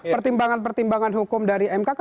pertimbangan pertimbangan hukum dari mk